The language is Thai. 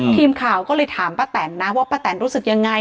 ทีมข่าวก็เลยถามป้าแตนนะว่าป้าแตนรู้สึกยังไง